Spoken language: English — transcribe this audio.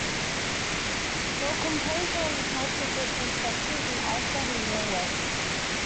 They were composed during the twelfth to fourteenth centuries in Iceland and Norway.